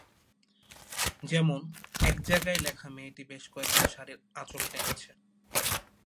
যেমন, এক জায়গায় লেখা-মেয়েটি বেশ কয়েকবার শাড়ীর আঁচল টেনেছে।